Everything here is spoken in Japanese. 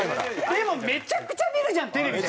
でもめちゃくちゃ見るじゃんテレビで。